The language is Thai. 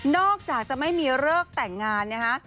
อกจากจะไม่มีเลิกแต่งงานนะฮะ